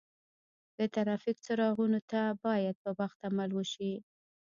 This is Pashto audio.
د ترافیک څراغونو ته باید په وخت عمل وشي.